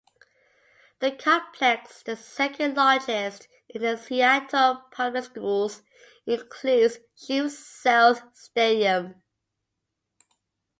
The complex, the second largest in the Seattle Public Schools, includes Chief Sealth Stadium.